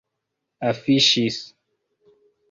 afiŝis